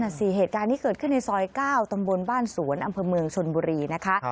สี่เหตุการณ์ที่เกิดขึ้นในซอย๙ตำบลบ้านสวนอำเภอเมืองชนบุรีนะคะ